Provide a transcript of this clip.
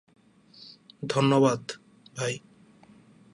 ধন্যবাদ, ভাই।